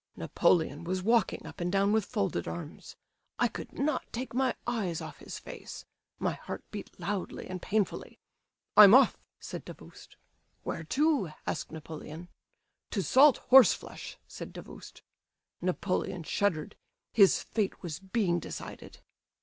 "Napoleon was walking up and down with folded arms. I could not take my eyes off his face—my heart beat loudly and painfully. "'I'm off,' said Davoust. 'Where to?' asked Napoleon. "'To salt horse flesh,' said Davoust. Napoleon shuddered—his fate was being decided.